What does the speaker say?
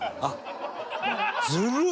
ずるい？